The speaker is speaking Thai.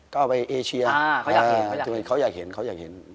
ก็เอาไปเอเชียเขาอยากเห็น